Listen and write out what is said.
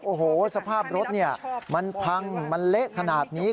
โอ้โหสภาพรถมันพังมันเละขนาดนี้